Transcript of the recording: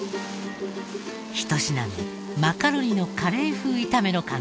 １品目マカロニのカレー風炒めの完成。